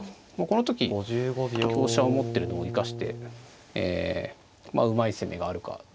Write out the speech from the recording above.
この時香車を持ってるのを生かしてうまい攻めがあるかどうかですね。